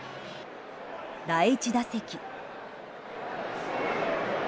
第１打席。